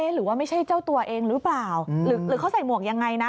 หรือว่าไม่ใช่เจ้าตัวเองหรือเปล่าหรือเขาใส่หมวกยังไงนะ